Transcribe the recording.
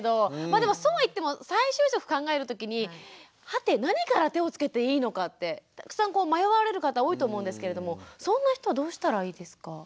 でもそうは言っても再就職考えるときにはて何から手をつけていいのかってたくさん迷われる方多いと思うんですけれどもそんな人はどうしたらいいですか？